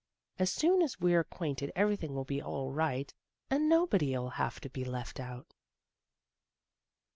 As soon as we're acquainted everything will be all right, and nobody '11 have to be left out."